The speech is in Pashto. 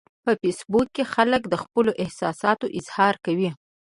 په فېسبوک کې خلک د خپلو احساساتو اظهار کوي